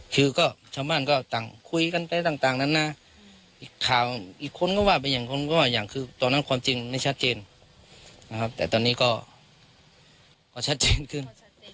คือก็ชาวบ้านก็ต่างคุยกันไปต่างนั้นนะอีกข่าวอีกคนก็ว่าไปอย่างคนก็ว่าอย่างคือตอนนั้นความจริงไม่ชัดเจนนะครับแต่ตอนนี้ก็ชัดเจนขึ้น